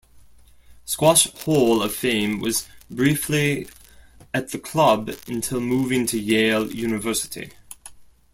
Squash Hall of Fame was briefly at the club until moving to Yale University.